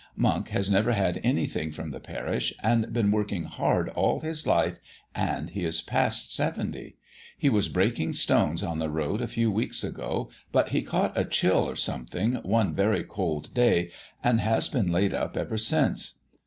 Monk has never had anything from the parish, and been working hard all his life, and he is past seventy. He was breaking stones on the road a few weeks ago; but he caught a chill or something one very cold day, and has been laid up ever since.